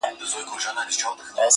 • نه یې له تیارې نه له رڼا سره -